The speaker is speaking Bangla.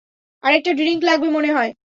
আরেকটা ড্রিঙ্ক লাগবে মনে হয়।